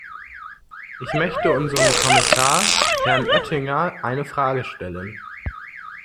Ich möchte unserem Kommissar, Herrn Oettinger, eine Frage stellen.